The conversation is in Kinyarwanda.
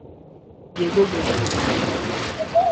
Diego Godín